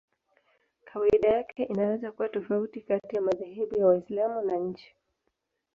Kawaida yake inaweza kuwa tofauti kati ya madhehebu ya Waislamu na nchi.